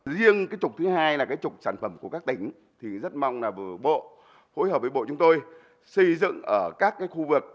riêng trục thứ hai là trục sản phẩm của các tỉnh thì rất mong bộ hội hợp với bộ chúng tôi xây dựng ở các khu vực